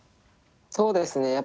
そうですね